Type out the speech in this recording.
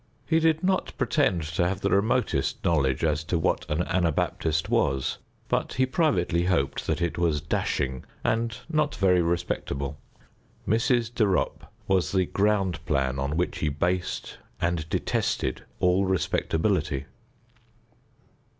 He did not pretend to have the remotest knowledge as to what an Anabaptist was, but he privately hoped that it was dashing and not very respectable. Mrs. de Ropp was the ground plan on which he based and detested all respectability.